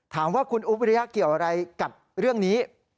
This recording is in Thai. ถามว่าคุณอุ๊บวิริยะเกี่ยวอะไรกับเรื่องนี้